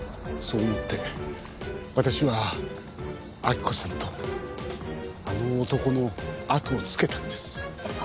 そう思って私は亜希子さんとあの男のあとをつけたんです。